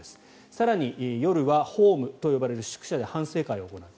更に夜はホームといわれる宿舎で反省会を行う。